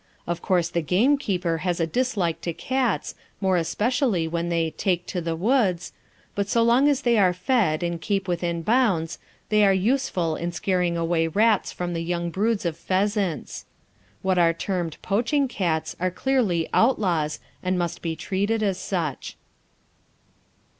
Of course the gamekeeper has a dislike to cats, more especially when they "take to the woods," but so long as they are fed, and keep within bounds, they are "useful" in scaring away rats from the young broods of pheasants. What are termed "poaching cats" are clearly "outlaws," and must be treated as such.